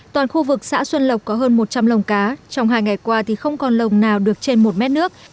toàn khu vực xã xuân lộc có hơn một trăm linh lồng cá trong hai ngày qua thì không còn lồng nào được trên một mét nước